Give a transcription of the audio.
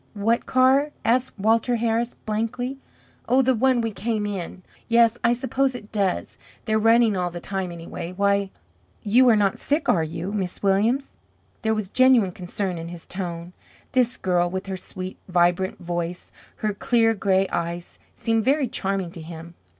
"What car?" asked Walter Harris, blankly. "Oh, the one we came in? Yes, I suppose it does. They're running all the time, anyway. Why, you are not sick, are you, Miss Williams?" There was genuine concern in his tone. This girl, with her sweet, vibrant voice, her clear gray eyes, seemed very charming to him.